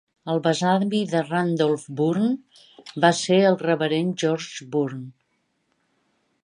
El besavi de Randolph Bourne va ser el reverend George Bourne.